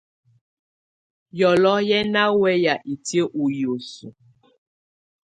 Yɔlɔ̀ɔ̀ yɛ́ ná wɛyá itiǝ́ ɔ́ hiǝ́suǝ.